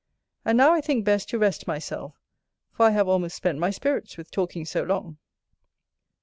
And now I think best to rest myself; for I have almost spent my spirits with talking so long.